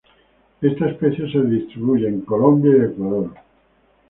Esta especie se distribuye en Colombia y Ecuador.